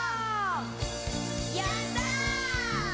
「やった」